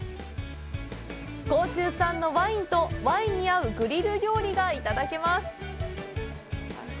甲州産のワインと、ワインに合うグリル料理がいただけます。